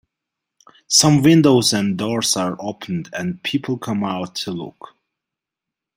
Some windows and doors are opened, and people come out to look.